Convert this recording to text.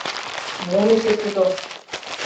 Мом эше тудо!..